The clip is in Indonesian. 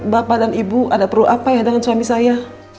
bapak dan ibu ada perlu apa ya dengan suami saya